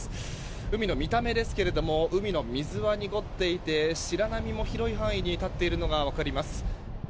海の見た目ですが海の水は濁っていて白波も広い範囲に立っているのが分かります。